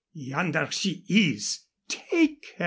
Yonder she is. Take her.